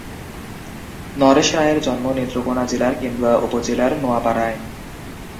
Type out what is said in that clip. নরেশ রায়ের জন্ম নেত্রকোণা জেলার কেন্দুয়া উপজেলার নোয়াপাড়ায়।